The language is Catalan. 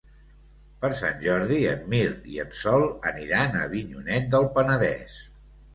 Per Sant Jordi en Mirt i en Sol aniran a Avinyonet del Penedès.